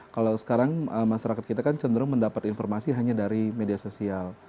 kalau sekarang masyarakat kita kan cenderung mendapat informasi hanya dari media sosial